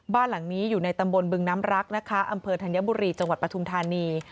บ้านหลังนี้อยู่ในตำบลบึงน้ำรักนะคะอำเภอธัญบุรีจังหวัดปฐุมธานี